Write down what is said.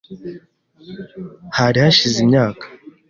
Hari hashize imyaka .